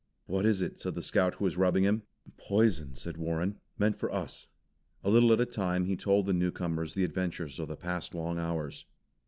"What is it?" said the Scout who was rubbing him. "Poison," said Warren. "Meant for us." A little at a time he told the newcomers the adventures of the past long hours.